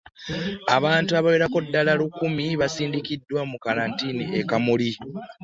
Abantu abawerera ddala lukumi basindikiddwa mu kkalantiini e Kamuli.